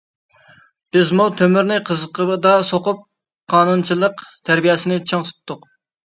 بىزمۇ تۆمۈرنى قىزىقىدا سوقۇپ قانۇنچىلىق تەربىيەسىنى چىڭ تۇتتۇق.